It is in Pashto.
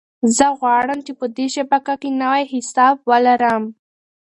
زه غواړم چې په دې شبکه کې نوی حساب ولرم.